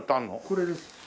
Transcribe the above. これです。